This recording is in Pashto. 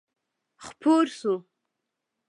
خپور شو.